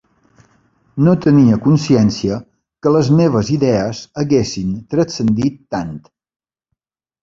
No tenia consciència que les meves idees haguessin transcendit tant.